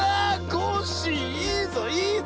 コッシーいいぞいいぞ！